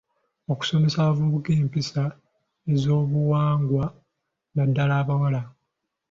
Okusomesa abavubuka empisa ez'obuwangwa, naddala abawala.